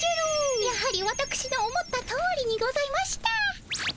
やはりわたくしの思ったとおりにございました。